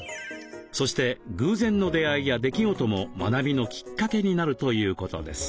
そして偶然の出会いや出来事も学びのきっかけになるということです。